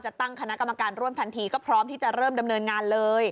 ตั้งคณะกรรมการร่วมทันทีก็พร้อมที่จะเริ่มดำเนินงานเลย